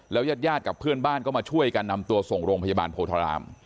ยาดกับเพื่อนบ้านก็มาช่วยกันนำตัวส่งโรงพยาบาลโพธาราม